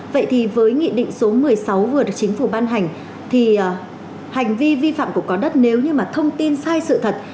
vậy thì với nghị định số một mươi sáu vừa được chính phủ ban hành thì hành vi vi phạm của có đất nếu như mà thông tin sai sự thật